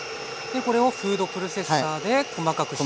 これをフードプロセッサーで細かくしていくと。